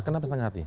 kenapa setengah hati